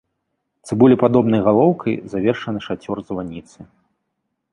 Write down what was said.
Цыбулепадобнай галоўкай завершаны шацёр званіцы.